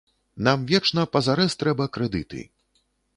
Нам вечна пазарэз трэба крэдыты.